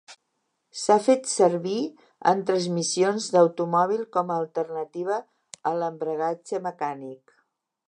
S'ha fet servir en transmissions d'automòbil com a alternativa a l'embragatge mecànic.